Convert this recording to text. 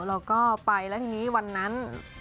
เราก็ไปแล้วทีนี้วันนั้น